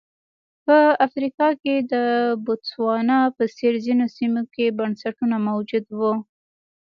په افریقا کې د بوتسوانا په څېر ځینو سیمو کې بنسټونه موجود وو.